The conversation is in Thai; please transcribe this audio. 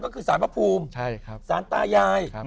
ก็คือสารพระภูมิสารตายาย